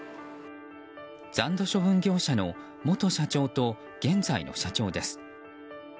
残土処分業者の元社長と現在の社長です。